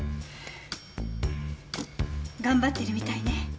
頑張ってるみたいね。